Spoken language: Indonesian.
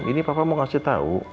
ini papa mau kasih tau